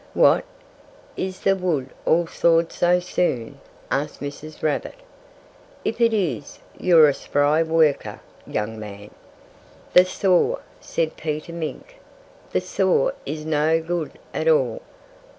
"What! Is the wood all sawed so soon?" asked Mrs. Rabbit. "If it is, you're a spry worker, young man!" "The saw " said Peter Mink "the saw is no good at all.